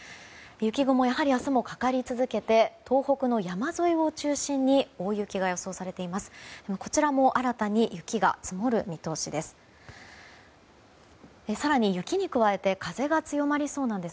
雪雲、やはり明日もかかり続けて東北の山沿いを中心に大雪が予想されています。